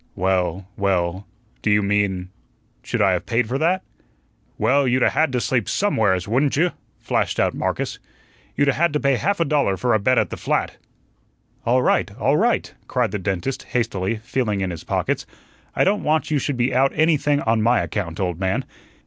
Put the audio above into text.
"Well well do you mean should I have paid for that?" "Well, you'd 'a' had to sleep SOMEWHERES, wouldn't you?" flashed out Marcus. "You 'a' had to pay half a dollar for a bed at the flat." "All right, all right," cried the dentist, hastily, feeling in his pockets. "I don't want you should be out anything on my account, old man.